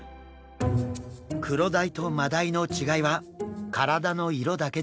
クロダイとマダイの違いは体の色だけではありません。